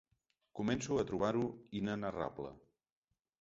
Començo a trobar-ho inenarrable.